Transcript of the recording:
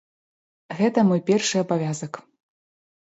Гэта мой першы абавязак.